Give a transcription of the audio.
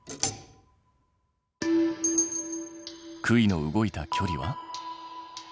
杭の動いた距離は？